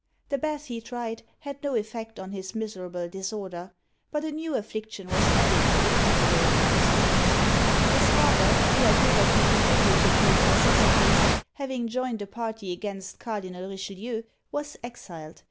The baths he tried had no effect on his miserable disorder. But a new affliction was added to the catalogue of his griefs. His father, who had hitherto contributed to his necessities, having joined a party against Cardinal Richelieu, was exiled.